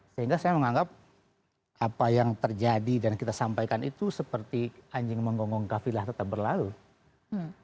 sehingga saya menganggap apa yang terjadi dan kita sampaikan itu seperti anjing menggonggong kafilah tetap berlalu